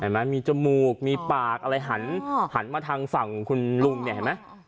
มันมีจมูกมีปากอะไรหันมาทางฝั่งคุณลุงเนี่ยเห็นไหม